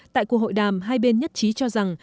tại cuộc hội đàm hai bên nhất trí cho rằng